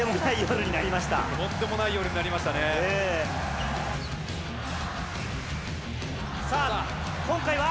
とんでもない夜になりましたさあ、今回は？